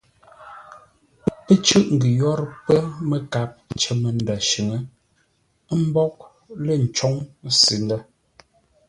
Pə́ cʉ́ʼ ngʉ yórə́ pə́ məkap cər məndə̂ shʉ̌ŋ; ə́ mbóghʼ lə̂ ncôŋ sʉ ndə̂.